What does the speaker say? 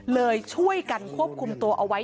เลยช่วยกันควบคุมตัวเอาไว้